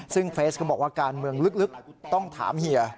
ซึ่งเฟสก็บอกว่าการเมืองลึกต้องถามเฮีย